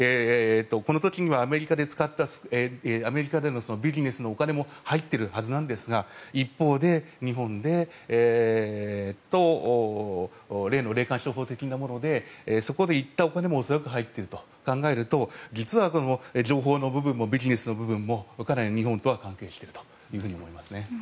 この時にはアメリカでのビジネスのお金も入っているはずなんですが一方で日本で例の霊感商法的なものでそこで行ったお金も恐らく入っていると考えると実は情報の部分もビジネスの部分もかなり日本とは関係していると思いますね。